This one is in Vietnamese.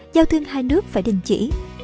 giao thương hai nước phải đình chỉ